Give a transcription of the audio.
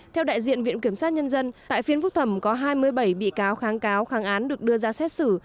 theo đại diện viện kiểm sát nhân dân tại phiên phúc thẩm có hai mươi bảy bị cáo kháng cáo kháng án được đưa ra xét xử